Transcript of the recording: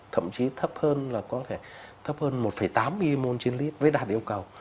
thậm chí thấp hơn là có thể thấp hơn một tám milimol trên lít với đạt yêu cầu